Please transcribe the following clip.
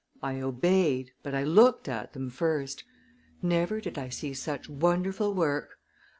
I obeyed; but I looked at them first. Never did I see such wonderful work!